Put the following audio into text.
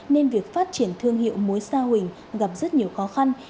nên việc phát triển thương hiệu mối sa huỳnh gặp rất nhiều khó khăn